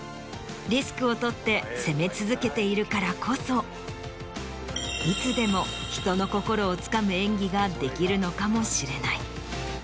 リスクを取って攻め続けているからこそいつでも人の心をつかむ演技ができるのかもしれない。